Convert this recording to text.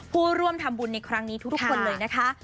ผู้ร่วมทำบุญในครั้งนี้ทุกคนเลยนะคะ